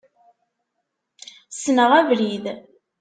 Ssneɣ abrid.